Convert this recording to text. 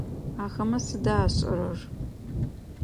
Ахэмэ сыда ашӏэрэр?